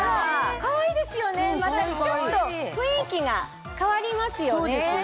かわいいですよねまたちょっと雰囲気が変わりますよね。